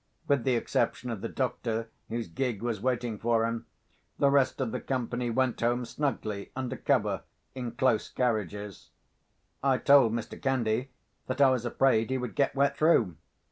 With the exception of the doctor, whose gig was waiting for him, the rest of the company went home snugly, under cover, in close carriages. I told Mr. Candy that I was afraid he would get wet through.